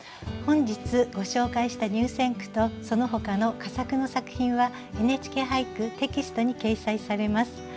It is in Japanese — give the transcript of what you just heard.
本日ご紹介した入選句とそのほかの佳作の作品は「ＮＨＫ俳句」テキストに掲載されます。